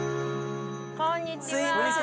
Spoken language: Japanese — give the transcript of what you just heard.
こんにちは。